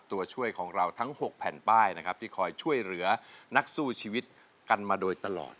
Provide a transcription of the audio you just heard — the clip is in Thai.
ตัวช่วยของเราทั้ง๖แผ่นป้ายนะครับที่คอยช่วยเหลือนักสู้ชีวิตกันมาโดยตลอด